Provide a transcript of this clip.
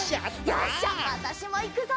よしじゃあわたしもいくぞ！